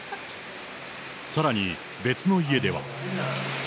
さらに別の家では。